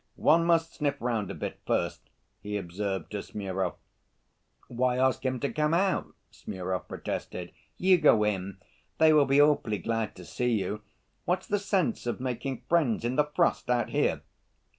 "One must sniff round a bit first," he observed to Smurov. "Why ask him to come out?" Smurov protested. "You go in; they will be awfully glad to see you. What's the sense of making friends in the frost out here?"